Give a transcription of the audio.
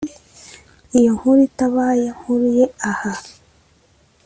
Iyo nkuru itabaye mpuruye aha